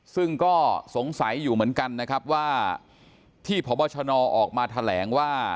ซึ่งก็สงสัยอยู่เหมือนกันนะครับว่าที่พบชนออกมาแถลงว่า